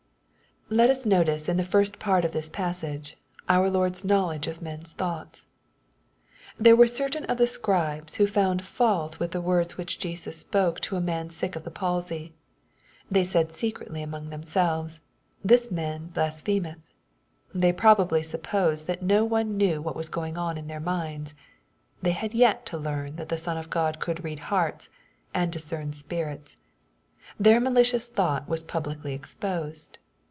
Let us notice in the first part of this passage our Lord's knowledge of men's thoughts. There were certain of the scribes, who found fault with the words which Jesus spoke to a man sick of the palsy. They said secretly among themselves, " this man blasphemeth." They probably supposed that no one knew what was going on in their minds. They had yet to learn that the Son of God could read hearts, and discern spirits. Their malicious thought was publicly exposed.